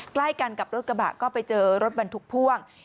ใกล้กันกับรถกระบะก็ไปเจอรถบรรทุกพ่วง